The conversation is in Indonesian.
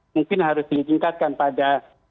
mungkin harus diingkatkan pada